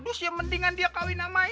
aduh siapa yang mendingan dia kawin sama i